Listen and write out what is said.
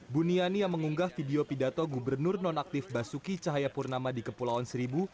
buniani yang mengunggah video pidato gubernur nonaktif basuki cahayapurnama di kepulauan seribu